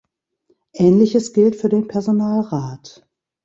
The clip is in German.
Ähnliches gilt für den Personalrat.